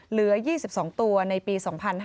เหลือ๒๒ตัวในปี๒๕๕๙